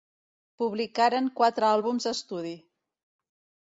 Publicaren quatre àlbums d'estudi.